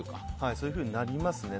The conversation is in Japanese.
そういうふうになりますね。